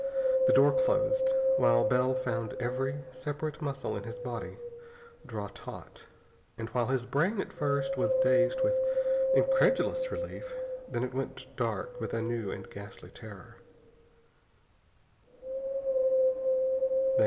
The door closed, while Bell found every separate muscle in his body draw taut. And while his brain at first was dazed with incredulous relief, then it went dark with a new and ghastly terror.